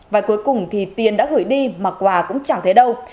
và cuối cùng thì tiền đã gửi đi mà quà cũng chẳng thấy đâu